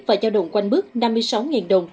và giao động quanh bức năm mươi sáu đồng